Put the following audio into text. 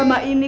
aku mau diadu